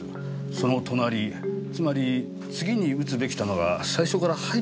その隣つまり次に撃つべき弾が最初から入ってなかった事になります。